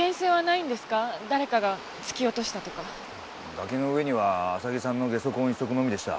崖の上には浅木さんのゲソ痕一足のみでした。